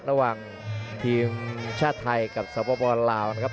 ระหว่างทีมชาติไทยกับสปลาวนะครับ